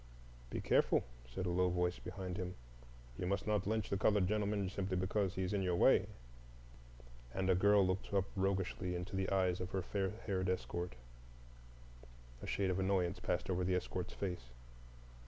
"Be careful," said a low voice behind him; "you must not lynch the colored gentleman simply because he's in your way," and a girl looked up roguishly into the eyes of her fair haired escort. A shade of annoyance passed over the escort's face.